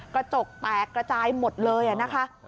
กระจกแตกกระจายหมดเลยนะคะ